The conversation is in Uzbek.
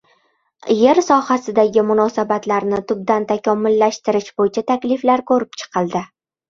Yer sohasidagi munosabatlarni tubdan takomillashtirish bo‘yicha takliflar ko‘rib chiqildi